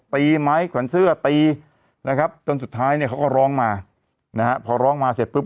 ตีไม้ขวัญเสื้อตีนะครับจนสุดท้ายเนี่ยเขาก็ร้องมานะฮะพอร้องมาเสร็จปุ๊บ